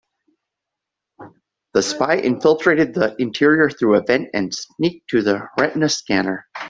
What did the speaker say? The spy infiltrated the interior through a vent and sneaked to the retina scanner.